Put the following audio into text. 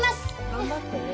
頑張ってね。